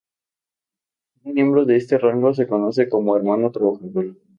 Un miembro de este rango se conoce como Hermano trabajador.